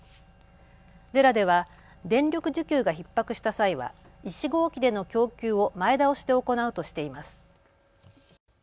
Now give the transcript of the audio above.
ＪＥＲＡでは電力需給がひっ迫した際は１号機での供給を前倒しで行うとしています。